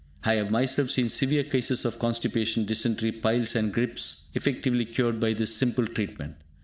I have myself seen severe cases of constipation, dysentery, piles and gripes effectively cured by this simple treatment.